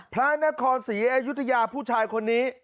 พระนครศรีอยุธยาผู้ชายคนนี้